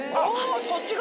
そっち側？